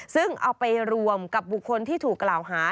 ซึ่งเอาไปรวมกับบุคคลที่ถูกกล่าวหา